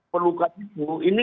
pelukas itu ini